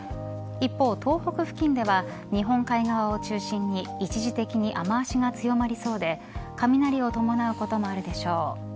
一方、東北付近では日本海側を中心に一時的に雨脚が強まりそうで雷を伴うこともあるでしょう。